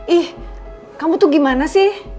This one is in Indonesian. ih kamu tuh gimana sih